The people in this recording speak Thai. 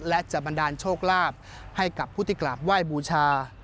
และจะบันดาลโชคลาภให้กับผู้ที่กราบไหว้บูชา